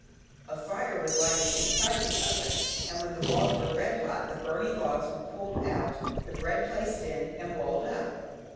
A fire was lighted inside the oven, and when the walls were red hot the burning logs were pulled out, the bread placed in, and walled up.